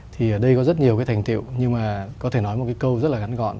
thì ở đây có rất nhiều thành tiệu nhưng có thể nói một câu rất gắn gọn